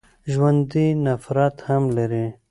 ژوندي نفرت هم لري